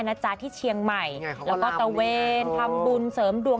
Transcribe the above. จ๊ะที่เชียงใหม่แล้วก็ตะเวนทำบุญเสริมดวง